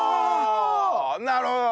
なるほど！